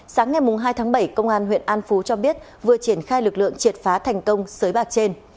sáng ngày hai tháng bảy công an huyện an phú cho biết vừa triển khai lực lượng triệt phá thành công sới bạc trên